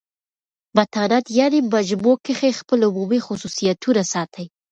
متانت یعني مجموع کښي خپل عمومي خصوصیتونه ساتي.